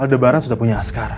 aldebaran sudah punya askara